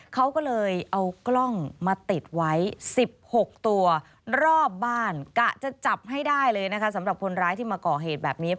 เขาก็เลยเอากล้องมาติดไว้๑๖ตัวรอบบ้านกะจะจับให้ได้เลยนะคะสำหรับคนร้ายที่มาก่อเหตุแบบนี้